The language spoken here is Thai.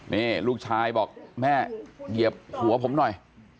นี่ลูกชายบอกแม่เหยียบหัวผมหน่อย